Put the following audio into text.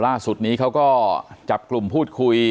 ล่าสุดนี้เขาก็จับกลุ่มพูดคุย